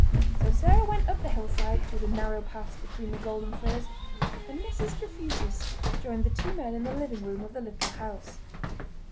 So Sarah went up the hillside through the narrow paths between the golden furze, and Mrs. Trefusis joined the two men in the living room of the little house.